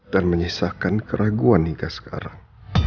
dan menyisahkan keraguan hingga sekarang